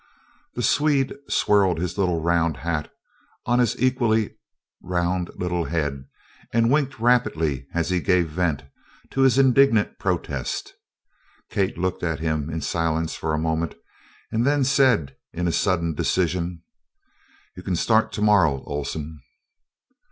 The Swede swirled his little round hat on his equally round little head and winked rapidly as he gave vent to his indignant protest. Kate looked at him in silence for a moment and then said in sudden decision: "You can start to morrow, Oleson."